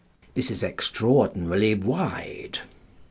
This is extraordinarily wide.